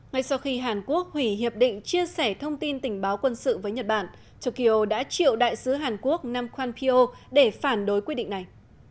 ngay sau khi hàn quốc hủy hiệp định chia sẻ thông tin tình báo quân sự với nhật bản tokyo đã triệu đại sứ hàn quốc nam kwan pyo để phản đối quyết định này